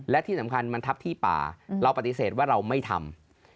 และที่สำคัญมันทับที่ป่าเราปฏิเสธว่าเราไม่ทำ